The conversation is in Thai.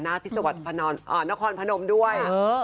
ในจังหวัดะนอนนกรพนมด้วย